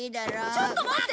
ちょっと待って！